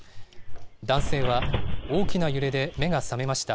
男性は、大きな揺れで目が覚めました。